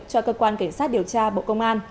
cho cơ quan cảnh sát điều tra bộ công an